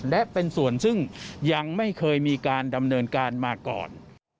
และเป็นส่วนซึ่งยังไม่เคยมีการดำเนินการมาก่อน